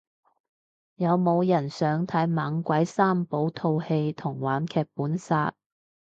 有冇人想睇猛鬼三寶套戲同玩劇本殺